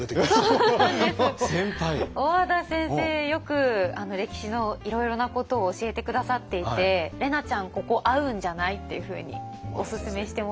よく歴史のいろいろなことを教えて下さっていて「怜奈ちゃんここ合うんじゃない？」っていうふうにおすすめしてもらいました。